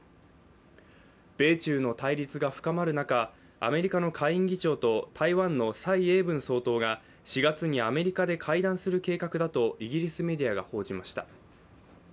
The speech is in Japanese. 米中の対立が深まる中、アメリカの下院議長と台湾の蔡英文総統が４月にアメリカで会談する計画だとイギリスメディアが報じました。